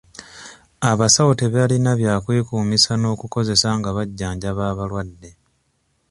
Abasawo tebalina bya kwekumisa n'okukozesa nga bajjanjaba abalwadde.